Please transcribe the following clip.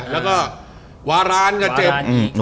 แล้วก็วารานก็เจ็บ